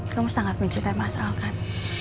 kamu sangat mencintai mas al kan